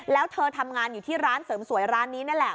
แล้วเธอทำงานอยู่ที่ร้านเสริมสวยร้านนี้นั่นแหละ